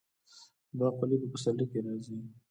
باقلي په پسرلي کې راځي.